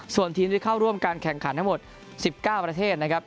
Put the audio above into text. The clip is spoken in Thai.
ส่วนทีมที่เข้าร่วมการแข่งขันทั้งหมด๑๙ประเทศนะครับ